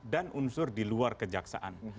dan unsur di luar kejaksaan